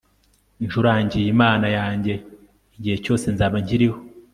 ncurangire imana yanjye igihe cyose nzaba nkiriho